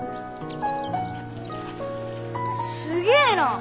すげえな。